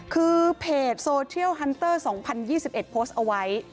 คือเพจโซเทียลฮันเตอร์สองพันยี่สิบเอ็ดโพสต์เอาไว้